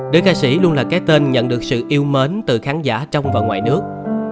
đứa ca sĩ luôn là cái tên nhận được sự yêu mến từ khán giả trong và ngoài nước